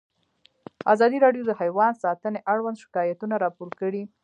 ازادي راډیو د حیوان ساتنه اړوند شکایتونه راپور کړي.